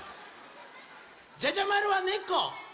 じゃじゃまるはねこ！